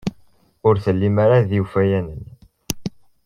Ur tellim ara d iwfayanen.